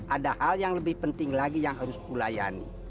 ada hal yang lebih penting lagi yang harus dilayani